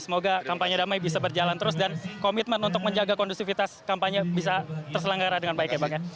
semoga kampanye damai bisa berjalan terus dan komitmen untuk menjaga kondusivitas kampanye bisa terselenggara dengan baik ya bang ya